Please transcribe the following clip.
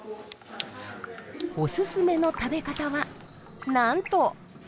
おすすめの食べ方はなんと。